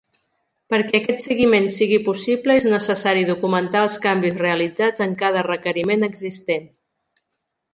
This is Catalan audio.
Perquè aquest seguiment sigui possible, és necessari documentar els canvis realitzats en cada requeriment existent.